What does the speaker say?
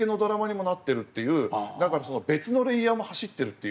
何か別のレイヤーも走ってるっていう。